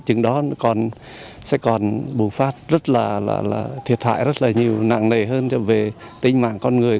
trừng đó sẽ còn bùng phát thiệt hại rất nhiều nặng nề hơn về tinh mạng con người